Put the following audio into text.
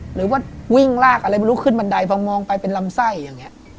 หรือว่าวิ่งลากอะไรไม่รู้ขึ้นบันไดพอมองไปเป็นลำไส้อย่างนี้